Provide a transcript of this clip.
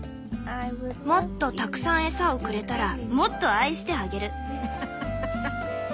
もっとたくさん餌をくれたらもっと愛してあげる」。